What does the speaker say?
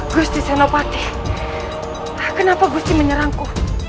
gusti senopati kenapa gusti menyerangku